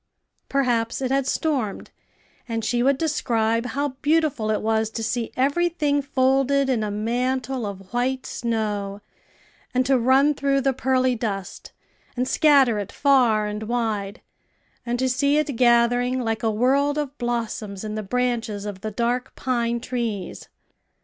Perhaps it had stormed, and she would describe how beautiful it was to see every thing folded in a mantle of white snow, and to run through the pearly dust, and scatter it far and wide, and to see it gathering like a world of blossoms in the branches of the dark pine trees.